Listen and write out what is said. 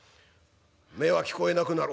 「目は聞こえなくなる」。